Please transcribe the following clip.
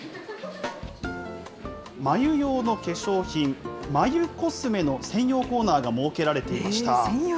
眉用の化粧品、眉コスメの専用コーナーが設けられていました。